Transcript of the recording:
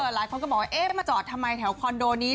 หลายคนก็บอกว่าเอ๊ะมาจอดทำไมแถวคอนโดนี้